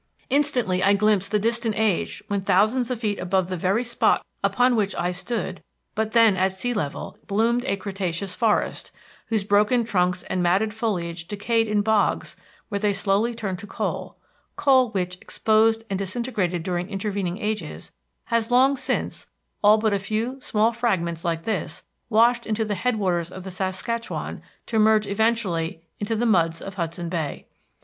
Instantly I glimpsed the distant age when thousands of feet above the very spot upon which I stood, but then at sea level, bloomed a Cretaceous forest, whose broken trunks and matted foliage decayed in bogs where they slowly turned to coal; coal which, exposed and disintegrated during intervening ages, has long since all but a few small fragments like this washed into the headwaters of the Saskatchewan to merge eventually in the muds of Hudson Bay.